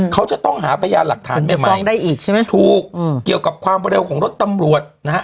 เขาจะต้องหาพยานหลักฐานใหม่ไหมถูกเกี่ยวกับความเร็วของรถตำรวจนะฮะ